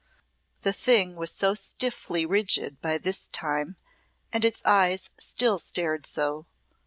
The thing was so stiffly rigid by this time, and its eyes still stared so.